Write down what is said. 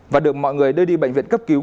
và được mọi người đưa đi bệnh viện cấp cứu